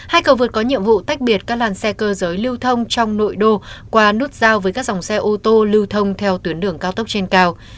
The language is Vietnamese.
hai cầu vượt có nhiệm vụ tách biệt các làn xe cơ giới lưu thông trong nội đô qua nút giao với các dòng xe ô tô lưu thông theo tuyến đường cao tốc trên cao